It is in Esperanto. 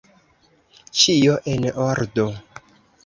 Ĉio en ordo!